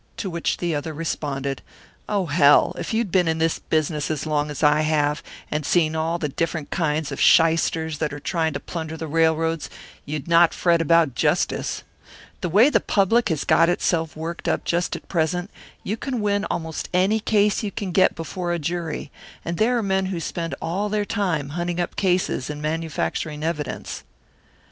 To which the other responded, "Oh, hell! If you'd been in this business as long as I have, and seen all the different kinds of shysters that are trying to plunder the railroads, you'd not fret about justice. The way the public has got itself worked up just at present, you can win almost any case you can get before a jury, and there are men who spend all their time hunting up cases and manufacturing evidence."